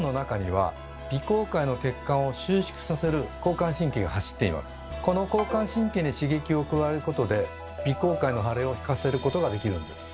中身が入ったこの交感神経に刺激を加えることで鼻甲介の腫れを引かせることができるんです。